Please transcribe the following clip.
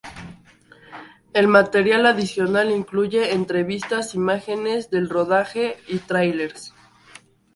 El material adicional incluye entrevistas, imágenes del rodaje y tráilers.